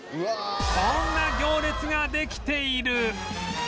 こんな行列ができている